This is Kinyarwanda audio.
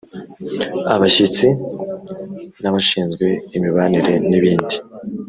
Abashyitsi abashinzwe imibanire n ibindi